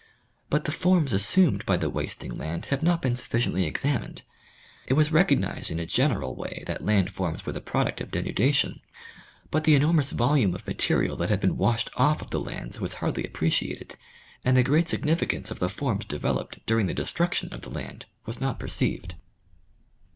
But the forms assumed by the wasting land have not been sufficiently examined. It was recog nized in a general way that land forms were the product of denu dation, but the enormous volume of material that had been washed off of the lands was hardly appreciated, and the great significance of the forms developed during the destruction of the land was not perceived.